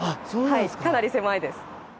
かなり狭いです。